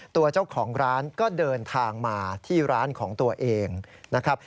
ตัวเจ้าของร้านก็เดินทางมาที่ร้านของตัวเองนะครับ